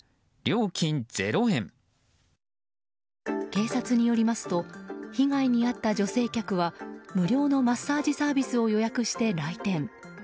警察によりますと被害に遭った女性客は無料のマッサージサービスを予約して来店。